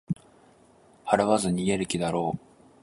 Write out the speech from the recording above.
払わず逃げる気だろう